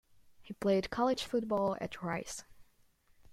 He played college football at Rice.